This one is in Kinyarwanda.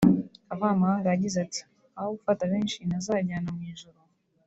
Kavamahanga yagize ati “Aho gufata benshi ntazajyana mu ijuru